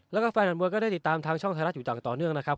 แล้วก็แฟนมวยก็ได้ติดตามทางช่องไทยรัฐอยู่อย่างต่อเนื่องนะครับ